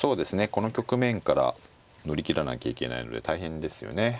この局面から乗り切らなきゃいけないので大変ですよね。